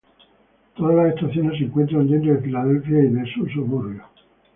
Todas las estaciones se encuentran dentro de Filadelfia y sus suburbios.